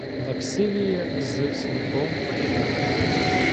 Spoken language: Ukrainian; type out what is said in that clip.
Плаксивеє з синком прощання